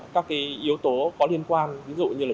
các cái yếu tố có liên quan ví dụ như là